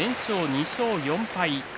２勝４敗。